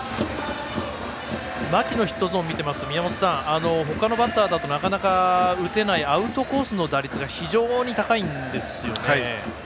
牧のヒットゾーン見ていますと宮本さん、他のバッターだとなかなか、打てないアウトコースの打率が非常に高いんですよね。